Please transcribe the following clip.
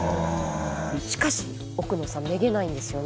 しかし奥野さんめげないんですよね。